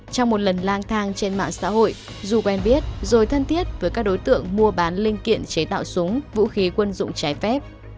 trong một lần lang thang trên mạng xã hội dù quen biết rồi thân thiết với các đối tượng mua bán linh kiện chế tạo súng vũ khí quân dụng trái phép